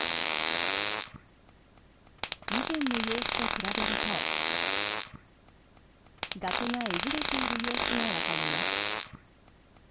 以前の様子と比べると崖がえぐれている様子がわかります。